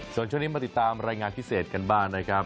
ส่วนช่วงนี้มาติดตามรายงานพิเศษกันบ้างนะครับ